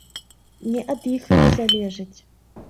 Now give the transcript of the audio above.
Не ад іх гэта залежыць.